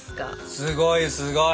すごいすごい！